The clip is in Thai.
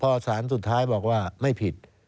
พอสารสุดท้ายบอกว่าไม่ผิด